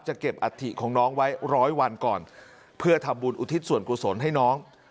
จะเก็บอัตถิของน้องไว้ร้อยวันก่อนเพื่อทำบุญอุทิศสวรรค์ครูสนให้น้อง